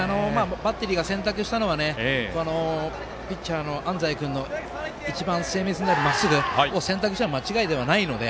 バッテリーが選択したのはピッチャーの安齋君の一番生命線であるまっすぐを選択したのは間違いではないので。